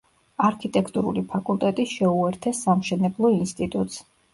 არქიტექტურული ფაკულტეტი შეუერთეს სამშენებლო ინსტიტუტს.